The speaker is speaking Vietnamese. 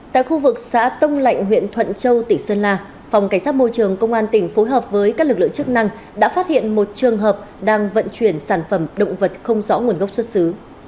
tại khu vực xã tông lạnh huyện thuận châu tỉnh sơn la phòng cảnh sát môi trường công an tỉnh phối hợp với các lực lượng chức năng đã phát hiện một trường hợp đang vận chuyển sản phẩm động vật không rõ nguồn gốc xuất xứ